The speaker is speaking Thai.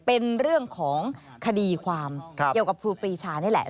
เป็นเรื่องของคดีความเกี่ยวกับครูปรีชานี่แหละ